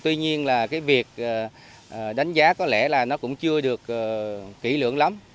tuy nhiên việc đánh giá có lẽ là nó cũng chưa được kỹ lượng lắm